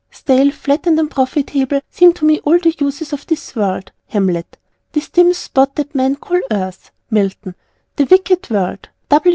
"Stale, flat and unprofitable seem to me all the uses of this World." Hamlet. "This dim spot that men call Earth." Milton. "The wicked World."